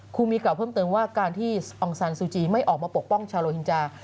ครูมีกล่าวเพิ่มเติมว่าการที่อองซานซูจีไม่ออกมาปกป้องชาวโลหินจา